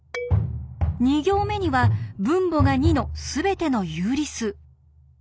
２行目には分母が２のすべての有理数。